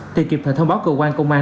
thì kịp thời thông báo cơ quan công an